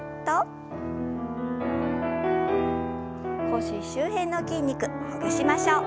腰周辺の筋肉ほぐしましょう。